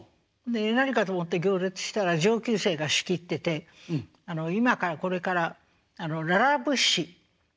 で何かと思って行列したら上級生が仕切ってて「今からこれからララ物資」。